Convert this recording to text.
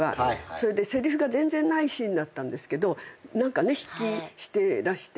それでせりふが全然ないシーンだったんですけど何かね筆記してらして。